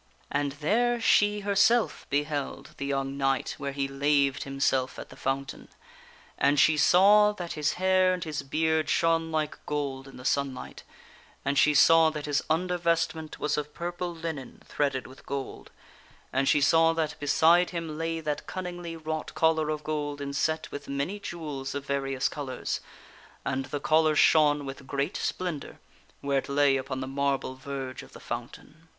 And there she herself beheld the young knight where he laved himself at the fountain. And she saw that his hair and his beard shone like gold in the sunlight ; and she saw that his undervestment was of pur pl e linen threaded with gold; and she saw that beside him the knight at j a y ^^ cunningly wrought collar of gold inset with many the fountain. . J .& J ~ J jewels of various colors, and the collar shone with great splendor where it lay upon the marble verge of the fountain.